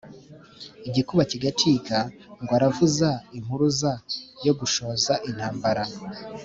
Igikuba kigacika, Ngo aravuza impuruza yo gushoza intambara